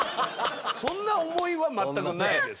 そんな思いは全くないですよ。